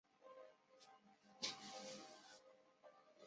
日本国语国字问题中的汉字进行废止或者更改的语言政策问题。